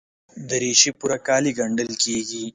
دریشي پوره کالي ګڼل کېږي.